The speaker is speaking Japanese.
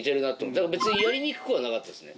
だから別にやりにくくはなかったですね。